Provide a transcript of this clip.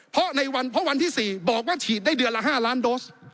เพราะวันที่๔บอกว่าฉีดได้เดือนละ๕ล้านโดส